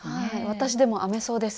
私でも編めそうです。